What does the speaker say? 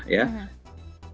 beberapa salah satu adalah